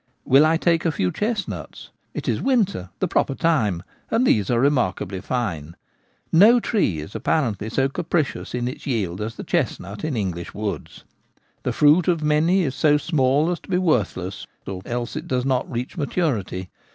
Will I take a few chestnuts? It is winter — the proper time — and these are remarkably fine. No tree is apparently so capricious in its yield as the chestnut in English woods : the fruit of many is so small as to be worthless, or else it does not reach maturity.